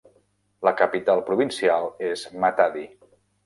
La capital provincial és Matadi.